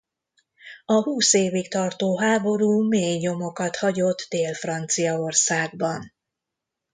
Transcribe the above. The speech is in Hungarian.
A húsz évig tartó háború mély nyomokat hagyott Dél-Franciaországban.